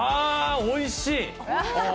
おいしい！